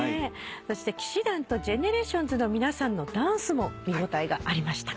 そして氣志團とＧＥＮＥＲＡＴＩＯＮＳの皆さんのダンスも見応えがありました。